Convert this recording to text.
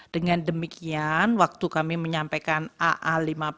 dengan demikian waktu kami menyampaikan aa lima puluh